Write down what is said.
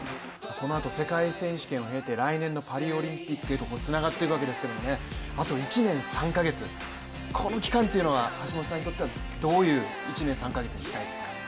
このあと世界選手権を経て、来年のパリオリンピックへとつながっていくわけですけどあと１年３か月、この期間っていうのは橋本さんにとってはどういう１年３か月にしたいですか？